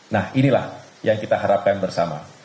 nah inilah yang kita harapkan bersama